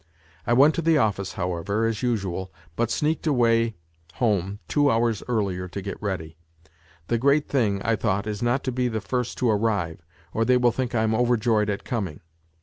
I went to the office, however, as usual, but sneaked away home two hours earlier to get ready. The great thing, I thought, is not to be the first to arrive, or they will think I am overjoyed at coming.